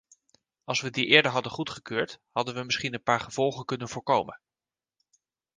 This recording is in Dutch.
Als we die eerder hadden goedgekeurd, hadden we misschien een paar gevolgen kunnen voorkomen.